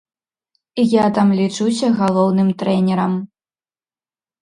Я там лічуся галоўным трэнерам.